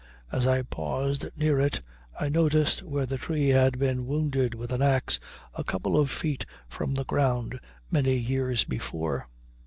As I paused near it, I noticed where the tree had been wounded with an ax a couple of feet from the ground many years before.